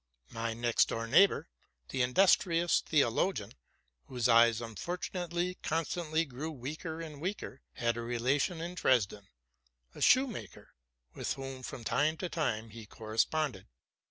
My next room neighbor, the industrious Heo: logian, whose eyes unfortunately constantly grew weaker and weaker, had a relation in Dresden, a shoemaker, with whom from time to time he corresponded.